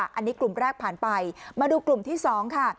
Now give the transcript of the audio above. อันนี้กลุ่มแรกผ่านไปมาดูกลุ่มที่๒ค่ะ